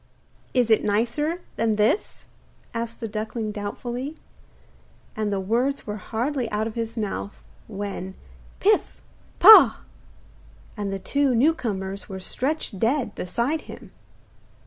'Is it nicer than this?' asked the duckling doubtfully. And the words were hardly out of his mouth, when 'Pif! pah!' and the two new comers were stretched dead beside him.